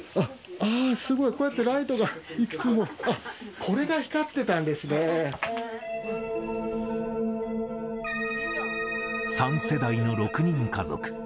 あー、すごい、こうやってライトがいくつも、あっ、これが光って３世代の６人家族。